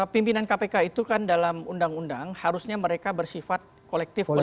pimpinan kpk itu kan dalam undang undang harusnya mereka bersifat kolektif kolegi